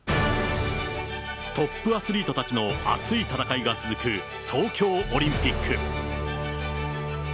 トップアスリートたちの熱い戦いが続く東京オリンピック。